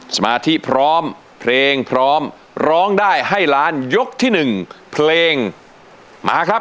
สมาธิพร้อมเพลงพร้อมร้องได้ให้ล้านยกที่๑เพลงมาครับ